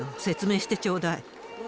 説明してちょうだい。